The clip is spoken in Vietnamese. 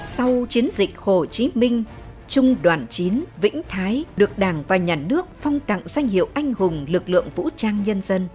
sau chiến dịch hồ chí minh trung đoàn chín vĩnh thái được đảng và nhà nước phong tặng danh hiệu anh hùng lực lượng vũ trang nhân dân